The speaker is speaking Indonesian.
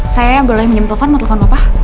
saya boleh menyempolkan mau telfon bapak